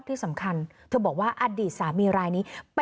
ที่สำคัญเธอบอกว่าอดีตสามีรายนี้